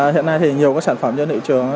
hiện nay thì nhiều các sản phẩm trên thị trường